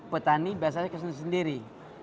petani biasanya kesini sendiri